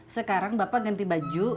sekarang bapak ganti baju